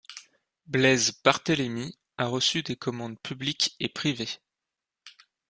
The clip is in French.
Blaise Barthélémy a reçu des commandes publiques et privées.